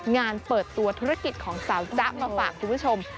งานเปิดตัวธุรกิจของสาวจ๊ะมาฝากคุณผู้ชม